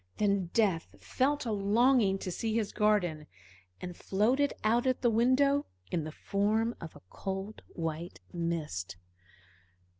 Then Death felt a longing to see his garden, and floated out at the window in the form of a cold, white mist.